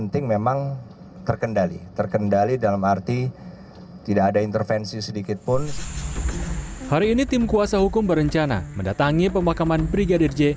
hari ini tim kuasa hukum berencana mendatangi pemakaman brigadir j